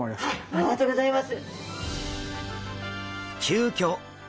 ありがとうございます。